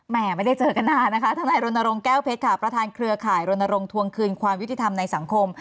ไม่ได้เจอกันนานนะคะทนายรณรงค์แก้วเพชรค่ะประธานเครือข่ายรณรงค์ทวงคืนความยุติธรรมในสังคม